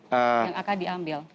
yang akan diambil